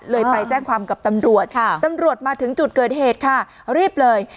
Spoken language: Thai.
ไปแจ้งความกับตำรวจตำรวจมาถึงจุดเกิดเหตุค่ะรีบเลย